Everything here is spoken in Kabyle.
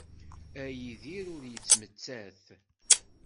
Ad yidir ur yettmettat.